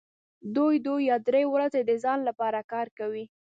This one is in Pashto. دوی دوې یا درې ورځې د ځان لپاره کار کوي